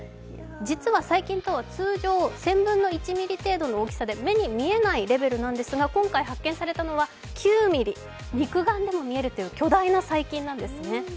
実は最近とは通常１０００分の１ｍｍ程度の大きさで目に見えないレベルなんですが、今回発見されたのは９ｍｍ肉眼でも見えるという巨大な細菌なんですね。